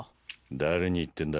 誰に言ってんだ？